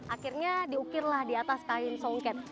akhirnya diukirlah di atas kain songket